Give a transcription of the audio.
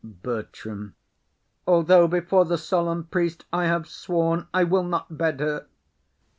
BERTRAM. Although before the solemn priest I have sworn, I will not bed her.